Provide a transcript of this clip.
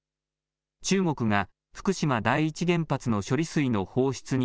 中国が福島第一原発の処理水の放出に